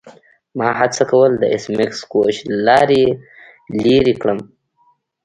ما هڅه کوله د ایس میکس کوچ له لارې لیرې کړم